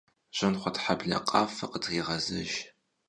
Jjanxhuetheble khafeu khıtrêğezejj.